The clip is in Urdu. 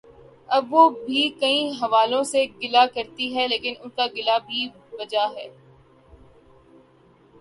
اب وہ بھی کئی حوالوں سے گلہ کرتی ہیں لیکن ان کا گلہ بھی بے جا ہے۔